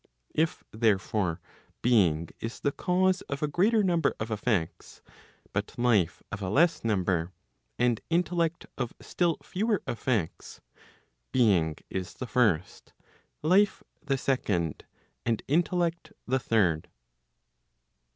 If therefore being is the cause of a greater number of effects, but life of a less number, and intellect of still fewer effects, being is the first, life the second, and intellect the third.